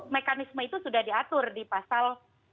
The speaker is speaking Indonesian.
mekanisme itu sudah diatur di pasal